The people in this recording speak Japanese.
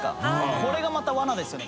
海譴またわなですよね。